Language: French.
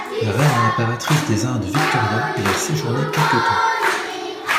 La reine et impératrice des Indes Victoria y a séjourné quelque temps.